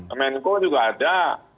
kemenko juga ada